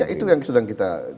itu yang sedang kita